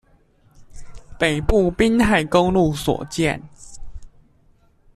北部濱海公路所見